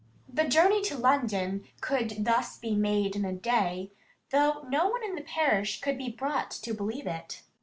The journey to London could thus be made in a day, though no one in the parish could be brought to believe it.